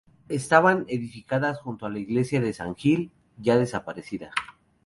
Estaban edificadas junto a la iglesia de San Gil, ya desaparecida.